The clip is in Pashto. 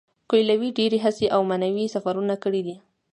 کویلیو ډیرې هڅې او معنوي سفرونه کړي دي.